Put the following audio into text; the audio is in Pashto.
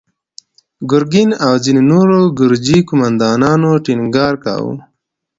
ګرګين او ځينو نورو ګرجي قوماندانانو ټينګار کاوه.